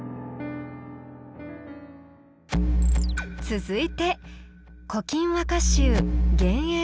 続いて「古今和歌集」。